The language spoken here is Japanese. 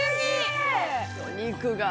お肉が。